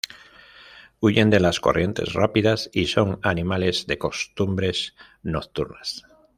Huyen de las corrientes rápidas y son animales de costumbres nocturnas.